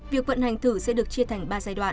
việc vận hành thử sẽ được chia thành ba giai đoạn